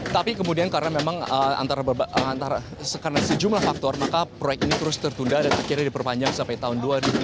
tapi kemudian karena memang karena sejumlah faktor maka proyek ini terus tertunda dan akhirnya diperpanjang sampai tahun dua ribu dua puluh